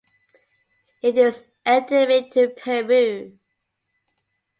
It is endemic to Peru.